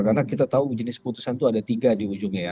karena kita tahu jenis putusan itu ada tiga di ujungnya ya